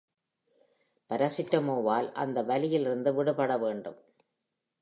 பாராசிட்டமாவால் அந்த வலியிலிருந்து விடுபட வேண்டும்.